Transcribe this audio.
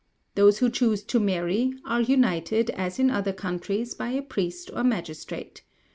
"Those who choose to marry, are united, as in other countries, by a priest or magistrate.